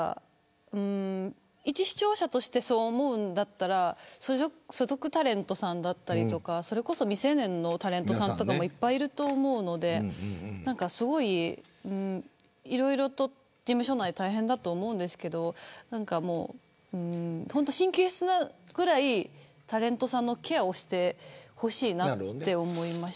いち視聴者としてそう思うんだったら所属タレントさんだったりとかそれこそ未成年のタレントさんもいっぱいいると思うのでいろいろと事務所内大変だと思うんですけど神経質なくらいタレントさんのケアをしてほしいなって思いました